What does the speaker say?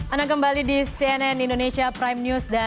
anda kembali di cnn indonesia prime news